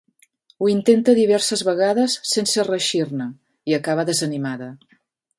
Ho intenta diverses vegades sense reeixir-ne i acaba desanimada.